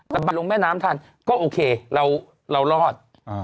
ระบายลงแม่น้ำทันก็โอเคเรารอด